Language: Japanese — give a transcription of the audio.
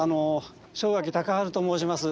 正垣孝晴と申します。